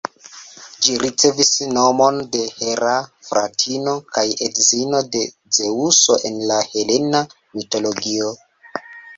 Ĝi ricevis nomon de Hera, fratino kaj edzino de Zeŭso en la helena mitologio.